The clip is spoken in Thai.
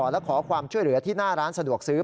และขอความช่วยเหลือที่หน้าร้านสะดวกซื้อ